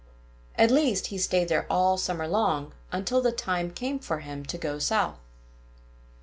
At least, he stayed there all summer long, until the time came for him to go South.